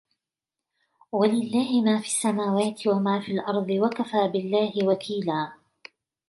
وَلِلَّهِ مَا فِي السَّمَاوَاتِ وَمَا فِي الْأَرْضِ وَكَفَى بِاللَّهِ وَكِيلًا